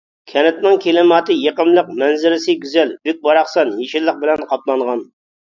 كەنتنىڭ كىلىماتى يېقىملىق، مەنزىرىسى گۈزەل، بۈك-باراقسان، يېشىللىق بىلەن قاپلانغان.